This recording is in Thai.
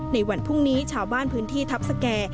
ในวันพรุ่งนี้ชาวบ้านพื้นที่ทัพสแก่